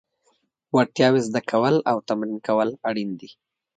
وړتیاوې زده کول او تمرین کول اړین دي.